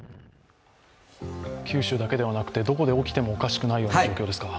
九州だけではなくてどこで起きてもおかしくないような状況ですか？